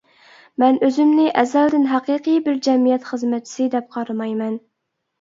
مەن ئۆزۈمنى ئەزەلدىن ھەقىقىي بىر جەمئىيەت خىزمەتچىسى دەپ قارىمايمەن.